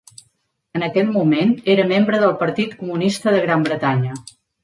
En aquell moment era membre del Partit Comunista de Gran Bretanya.